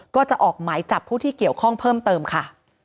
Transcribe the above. ก็จะออกหมายจับผู้ที่เกี่ยวข้องเพิ่มเติมค่ะ